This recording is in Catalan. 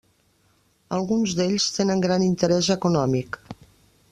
Alguns d'ells tenen gran interès econòmic.